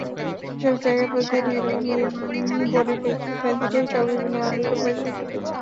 এসব জায়গায় প্রতিদিন হেরোইন, ইয়াবা বড়ি, ফেনসিডিলসহ বিভিন্ন মাদকদ্রব্য এসে ঢুকছে।